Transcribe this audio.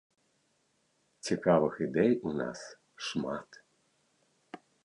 Цікавых ідэй у нас шмат.